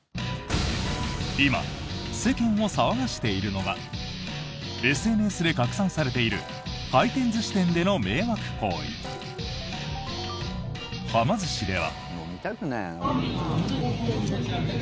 今、世間を騒がしているのがＳＮＳで拡散されている回転寿司店での迷惑行為。はま寿司では。